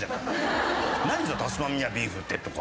そのタスマニアビーフって」とか。